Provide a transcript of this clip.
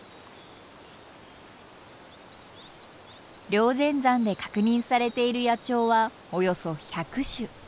霊仙山で確認されている野鳥はおよそ１００種。